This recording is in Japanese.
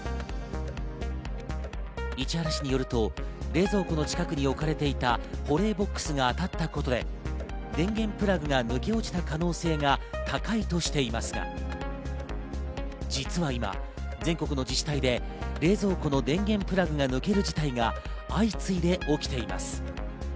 市原市によると冷蔵庫の近くに置かれていた保冷ボックスが当たったことで電源プラグが抜け落ちた可能性が高いとしていますが、実は今、全国の自治体で冷蔵庫の電源プラグが抜ける事態が相次いで起きています。